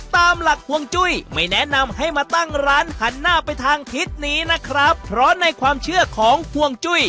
ตามหลักห่วงจุ้ยไม่แนะนำให้มาตั้งร้านหันหน้าไปทางทิศนี้นะครับเพราะในความเชื่อของห่วงจุ้ย